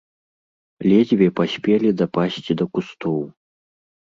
Ледзьве паспелі дапасці да кустоў.